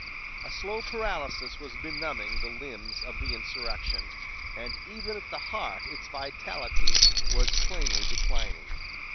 A slow paralysis was benumbing the limbs of the insurrection, and even at the heart its vitality was plainly declining.